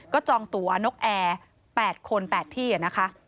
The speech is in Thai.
ก็จองตัวนกแอร์๘คน๘ที่นะคะ